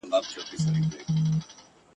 خره په خیال کی د شنېلیو نندارې کړې !.